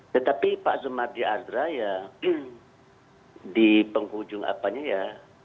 tetapi pak zumardi azra ya di penghujung apanya ya